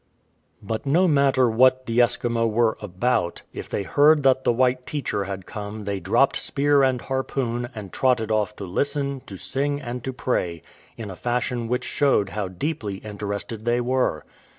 But no matter what the Eskimo were about, if they heard that the white teacher had come they dropped spear and harpoon, and trotted oft* to listen, to sing, and to pray, in a fashion which showed how deeply interested they were.